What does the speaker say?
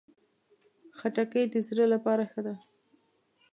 خټکی د زړه لپاره ښه ده.